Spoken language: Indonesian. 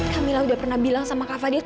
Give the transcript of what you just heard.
kamila sudah pernah bilang sama kak fadil